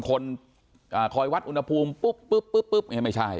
คอยวัดอุณหภูมิปุ๊บไม่ใช่